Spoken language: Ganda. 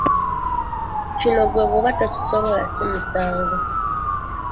Kino ggwe bwoba tokisobla si musango!